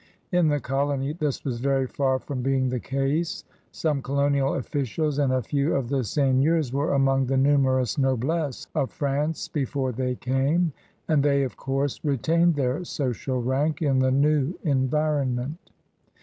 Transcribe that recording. In the colony this was very far from being the case. Some colonial officials and a few of the seigneurs were among the numerous noblesse of Prance before they came, and they of course retained their social rank in the new environment.